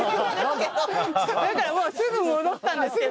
だからもうすぐ戻ったんですけど。